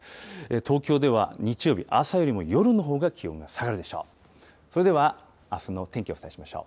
東京では日曜日、朝よりも夜のほうが気温が下がるでしょう。